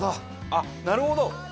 あっなるほど！